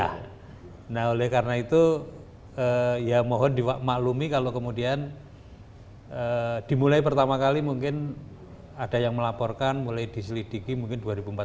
nah oleh karena itu ya mohon dimaklumi kalau kemudian dimulai pertama kali mungkin ada yang melaporkan mulai diselidiki mungkin dua ribu empat belas